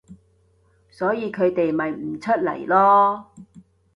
所以佢哋咪唔出嚟囉